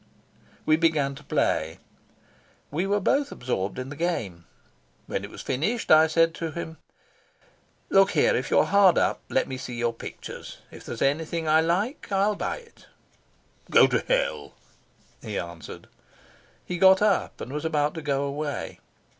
We began to play. We were both absorbed in the game. When it was finished I said to him: "Look here, if you're hard up, let me see your pictures. If there's anything I like I'll buy it." "Go to hell," he answered. He got up and was about to go away.